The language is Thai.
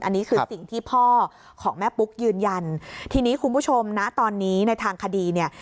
อันนี้คือสิ่งที่พ่อของแม่ปุ๊กยืนยันทีนี้คุณผู้ชมนะตอนนี้ในทางคดีเนี่ย